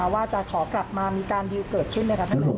แต่ว่าจะขอกลับมามีการดีเกิดขึ้นไหมครับท่านนายกรรม